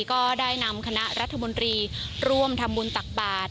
ก็ได้นำคณะรัฐมนตรีร่วมทำบุญตักบาท